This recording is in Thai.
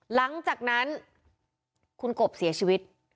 หลังจากนั้นคุณกบเสียชีวิต